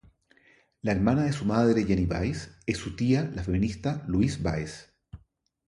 La hermana de su madre Jenny Weiss, es su tía la feminista Louise Weiss.